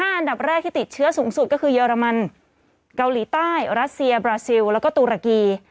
อันดับแรกที่ติดเชื้อสูงสุดก็คือเยอรมันเกาหลีใต้รัสเซียบราซิลแล้วก็ตุรกี